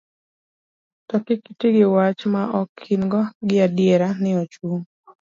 to kik iti gi wach ma ok in go gi adiera ni ochung